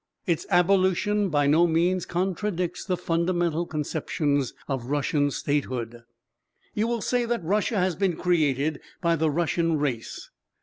Its abolition by no means contradicts the fundamental conceptions of Russian statehood. You will say that Russia has been created by the Russian race.